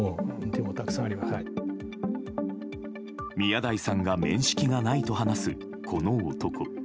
宮台さんが面識がないと話すこの男。